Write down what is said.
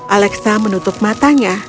alexa menutup matanya